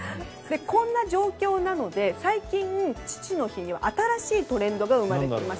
こんな状況なので最近、父の日に新しいトレンドが生まれています。